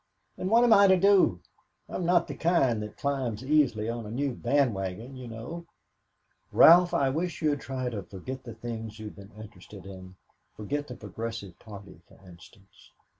"And what am I to do? I'm not the kind that climbs easily on a new band wagon, you know." "Ralph, I wish you'd try to forget the things you've been interested in; forget the Progressive Party, for instance."